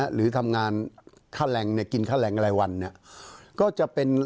หรือทำงานค่าแรงกินค่าแรงอาหารวันก็จะเป็น